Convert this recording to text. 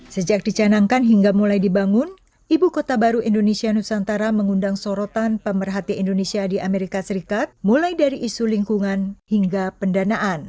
sejak dicanangkan hingga mulai dibangun ibu kota baru indonesia nusantara mengundang sorotan pemerhati indonesia di amerika serikat mulai dari isu lingkungan hingga pendanaan